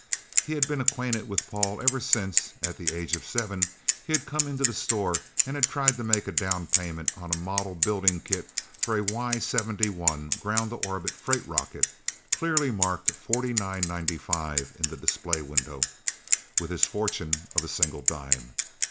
He had been acquainted with Paul ever since, at the age of seven, he had come into the store and had tried to make a down payment on a model building kit for a Y 71 ground to orbit freight rocket clearly marked $49.95 in the display window with his fortune of a single dime.